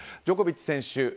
ジョコビッチ選手